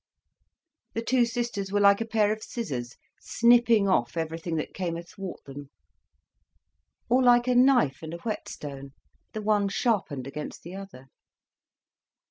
The two sisters were like a pair of scissors, snipping off everything that came athwart them; or like a knife and a whetstone, the one sharpened against the other.